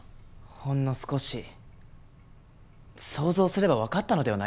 ほんの少し想像すればわかったのではないですか？